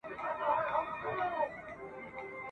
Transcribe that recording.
چي په نصیب یې مُلا شاهي وي !.